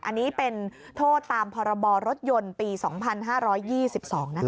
อันนี้เป็นโทษตามพรบรถยนต์ปี๒๕๒๒นะคะ